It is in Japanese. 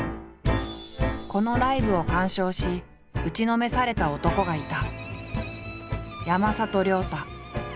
このライブを鑑賞し打ちのめされた男がいた。